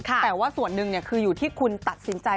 แต่ว่าส่วนหนึ่งคืออยู่ที่คุณตัดสินใจ